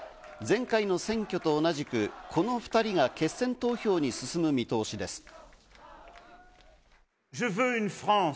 前回の選挙と同じく、この２人が決選投票に進む見通しです。